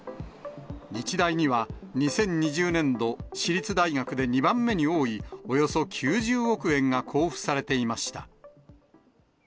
日大には２０２０年度、私立大学で２番目に多い、およそ９０億円が交付されていました。